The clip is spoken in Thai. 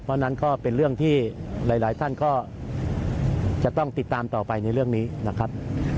เพราะฉะนั้นก็เป็นเรื่องที่หลายท่านก็จะต้องติดตามต่อไปในเรื่องนี้นะครับ